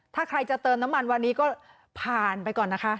ถ้าใครจะเติมน้ำมันวันนี้ก็ผ่านไปก่อนนะคะ